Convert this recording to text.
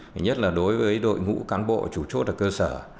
thứ nhất là đối với đội ngũ cán bộ chủ chốt ở cơ sở